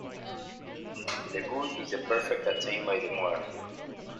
The good is the perfect attained by the moral will.